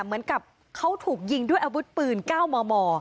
เหมือนกับเขาถูกยิงด้วยอาวุธปืน๙มม